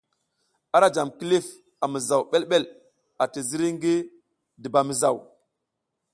Ara jam kilif a mizaw ɓelɓel ati ziri ngi dubamizaw.